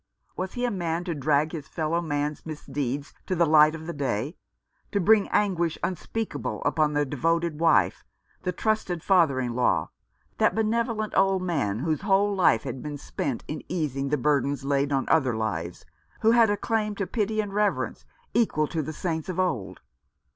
Was he a man to drag his fellow man's misdeeds to the light of the day — to bring anguish unspeakable upon the devoted wife, the trusting father in law, that benevolent old man whose whole life had been spent in easing the burdens laid on other lives, who had a claim to pity and reverence equal to the saints of old